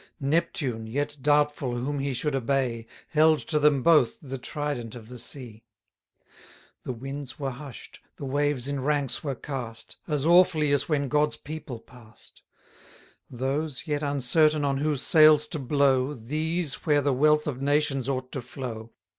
Neptune, yet doubtful whom he should obey, Held to them both the trident of the sea: The winds were hush'd, the waves in ranks were cast, As awfully as when God's people pass'd; Those, yet uncertain on whose sails to blow, These, where the wealth of nations ought to flow.